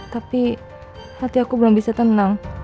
tapi hati aku belum bisa tenang